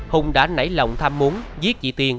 hùng đã nảy lòng tham muốn giết chị tiên